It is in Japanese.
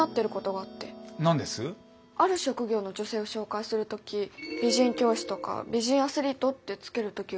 ある職業の女性を紹介する時「美人教師」とか「美人アスリート」って付ける時がありますよね。